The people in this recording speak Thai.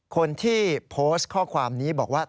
คนที่โพสต์ข้อความนี้บอกว่า